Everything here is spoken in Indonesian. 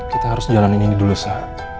kita harus jalanin ini dulu saat